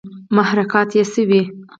محرکات ئې څۀ وي